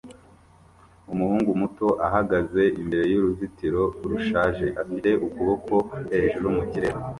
Umuhungu muto ahagaze imbere y'uruzitiro rushaje afite ukuboko hejuru mu kirere